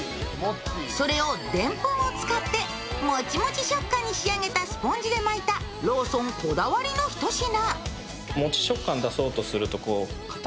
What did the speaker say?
それを、でんぷんを使ってもちもち食感に仕上げたスポンジ巻いたローソンこだわりのひと品。